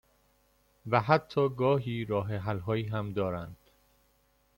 و حتی گاهی راه حل هایی هم دارند